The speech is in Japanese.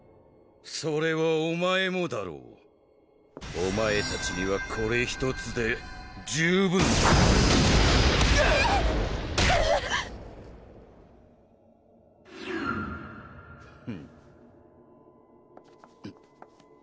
それはお前もだろうお前たちにはこれ１つで十分だグッグッフン